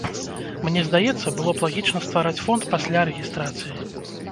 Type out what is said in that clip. Мне здаецца, было б лагічна ствараць фонд пасля рэгістрацыі.